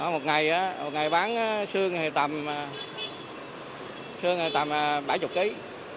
một ngày bán xương tầm bảy mươi kg